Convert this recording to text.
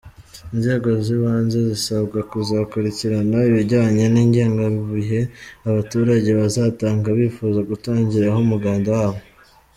Inzego z’ibanze zisabwa kuzakurikirana ibijyanye n’ingengabihe abaturage bazatanga bifuza gutangiraho umuganda wabo.